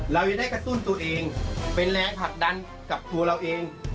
เรายังได้กระตุ้นตัวเองเป็นแรงผลักดันกับตัวเราเอง